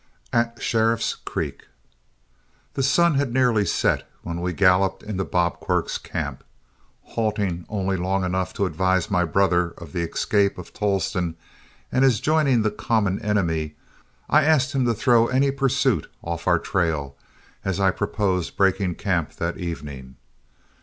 AT SHERIFF'S CREEK The sun had nearly set when we galloped into Bob Quirk's camp. Halting only long enough to advise my brother of the escape of Tolleston and his joining the common enemy, I asked him to throw any pursuit off our trail, as I proposed breaking camp that evening.